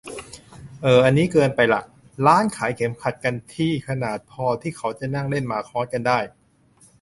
เอ่อ อันนี้เกินไปละ ร้านขายเข็มขัดกันที่ขนาดพอที่เขาจะนั่งเล่นหมากฮอสกันได้